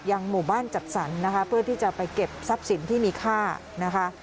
หมู่บ้านจัดสรรนะคะเพื่อที่จะไปเก็บทรัพย์สินที่มีค่านะคะ